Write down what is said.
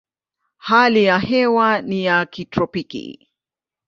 Hali ya hewa ni ya kitropiki.